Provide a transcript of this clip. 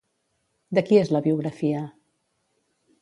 De qui és la biografia?